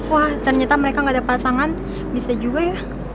wah ternyata mereka gak ada pasangan bisa juga ya